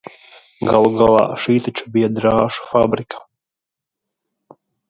Galu galā, šī taču bija drāšu fabrika!